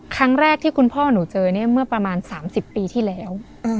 ครั้งแรกที่คุณพ่อหนูเจอเนี่ยเมื่อประมาณ๓๐ปีที่แล้ว